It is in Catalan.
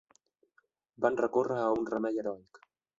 Van recórrer a un remei heroic.